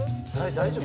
大丈夫？